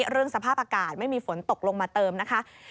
เรื่องสภาพอากาศไม่มีฝนตกลงมาเติมนะคะ